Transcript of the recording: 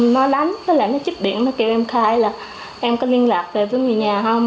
nó đánh nó chích điện nó kêu em khai là em có liên lạc về với người nhà không